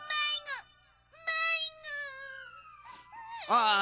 ああ。